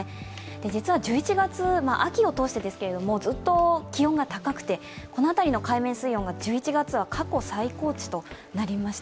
実は１１月、秋を通してですが、ずっと気温が高くてこの辺りの海面水温が１１月は過去最高値となりました。